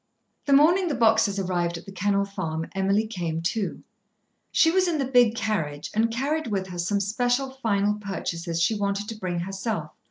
The morning the boxes arrived at The Kennel Farm, Emily came too. She was in the big carriage, and carried with her some special final purchases she wanted to bring herself.